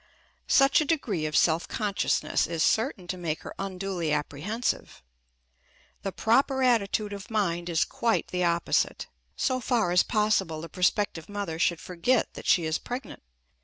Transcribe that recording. Such a degree of self consciousness is certain to make her unduly apprehensive. The proper attitude of mind is quite the opposite; so far as possible the prospective mother should forget that she is pregnant.